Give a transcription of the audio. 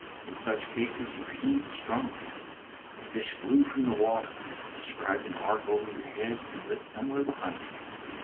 In such cases you heaved strongly. The fish flew from the water, described an arc over your head, and lit somewhere behind you.